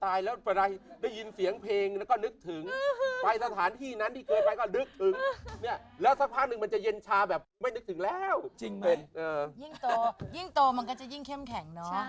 ตายแล้วประดาษมณาได้ยินเสียงเพลงแล้วก็นึกถึง